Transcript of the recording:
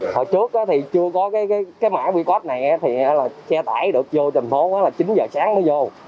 hồi trước thì chưa có cái mã qr này xe tải được vô thành phố là chín giờ sáng mới vô